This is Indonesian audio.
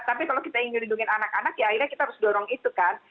tapi kalau kita ingin melindungi anak anak ya akhirnya kita harus dorong itu kan